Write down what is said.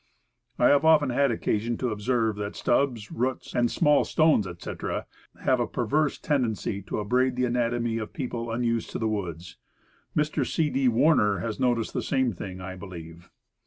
I have often had occasion to observe that stubs, roots and small stones, etc., have a perverse ten dency to abrade the economy of people unused to the woods. Mr. C. D. Warner has noticed the same thing, I believe.